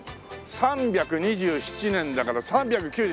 ３２７年だから３００。